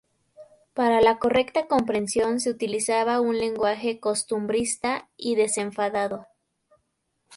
Para la correcta comprensión se utilizaba un lenguaje costumbrista y desenfadado.